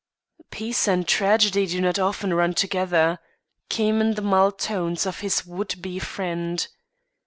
"Peace and tragedy do not often run together," came in the mild tones of his would be friend.